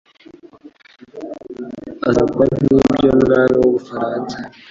azakora nk'ibyo n'Umwami w'Ubufaransa